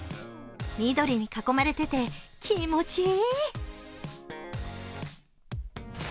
緑に囲まれてて、気持ちいい。